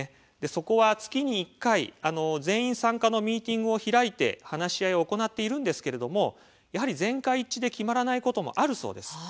そこは月に１回、全員参加のミーティングを開いて話し合いを行っているんですけれどもやはり全会一致で決まらないこともあるそうです。